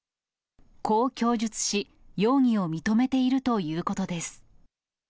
こう供述し、容疑を認めているということです。